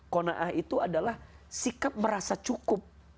kona'ah itu adalah sikap merasa cukup